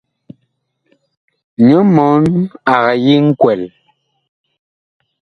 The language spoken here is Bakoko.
Nyɔ mɔɔn ag yi nkwɛl.